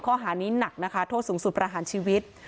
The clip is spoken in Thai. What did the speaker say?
ข้อหานี้หนักนะคะโทษสูงสุดประหารชีวิต